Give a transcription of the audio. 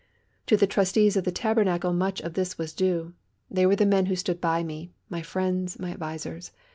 To the trustees of the Tabernacle much of this was due. They were the men who stood by me, my friends, my advisers.